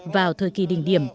vào thời kỳ đỉnh điểm